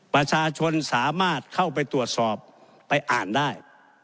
ประชาชนสามารถเข้าไปตรวจสอบไปอ่านได้